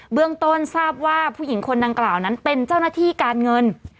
เรื่องต้นทราบว่าผู้หญิงคนดังกล่าวนั้นเป็นเจ้าหน้าที่การเงิน